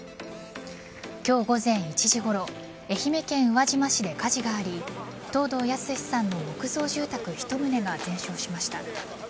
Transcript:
今日午前１時ごろ愛媛県宇和島市で火事があり藤堂泰さんの木造住宅１棟が全焼しました。